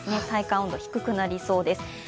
体感温度が低くなりそうです。